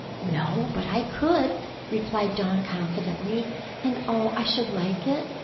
"No, but I could," replied Dawn confidently. "And, oh, I should like it!